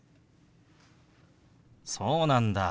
そうなんだ。